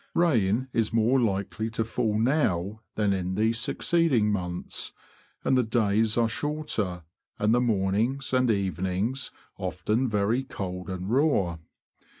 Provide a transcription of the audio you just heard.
Rain is more likely to fall now than in the succeeding months, and the days are shorter, and the mornings and evenings often very cold and raw.